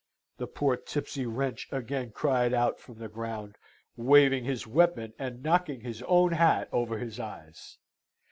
the poor tipsy wretch again cried out from the ground, waving his weapon and knocking his own hat over his eyes.